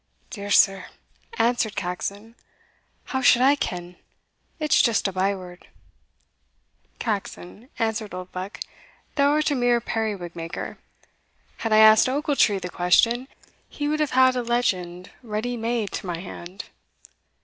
"Dear sir," answered Caxon, "how should I ken? it's just a by word." "Caxon," answered Oldbuck, "thou art a mere periwig maker Had I asked Ochiltree the question, he would have had a legend ready made to my hand."